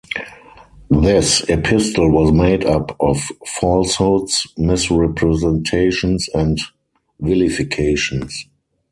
This epistle was made up of falsehoods, misrepresentations and vilifications.